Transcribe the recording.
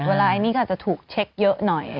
เวลาอันนี้ก็อาจจะถูกเช็คเยอะหน่อย